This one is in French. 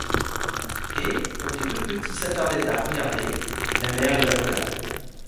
Et, comme les deux petits s’attardaient à regarder, la mère les appela.